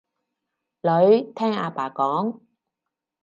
女，聽阿爸講